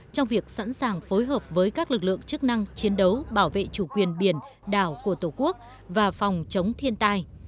trong việc sẵn sàng phối hợp với các lực lượng chức năng chiến đấu bảo vệ chủ quyền biển đảo của tổ quốc và phòng chống thiên tai